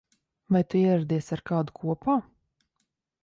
Vai tu ieradies ar kādu kopā?